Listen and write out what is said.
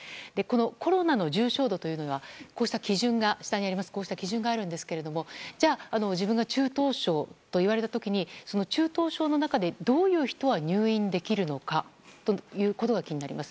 コロナの重症度という基準があるんですが自分が中等症と言われた時に中等症の中でどういう人は入院できるのかということが気になります。